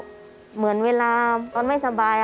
เหมือนเวลาตอนไม่สบาย